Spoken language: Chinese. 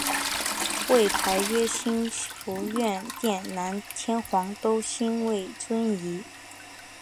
位牌曰兴福院殿南天皇都心位尊仪。